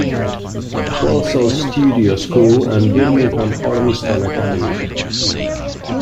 Walsall Studio School and Birmingham Ormiston Academy.